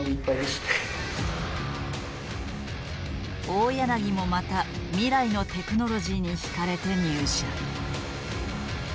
大柳もまた未来のテクノロジーにひかれて入社。